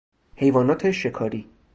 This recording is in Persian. حیوانات شکاری